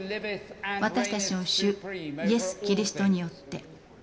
私たちの主イエス・キリストによって。